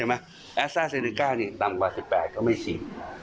อาซ่าเซนิก้าต่ำกว่า๑๘เขาไม่ชี